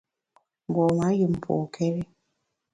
Mgbom-a yùm pokéri.